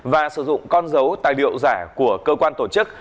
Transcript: và sử dụng con dấu tài liệu giả của cơ quan tổ chức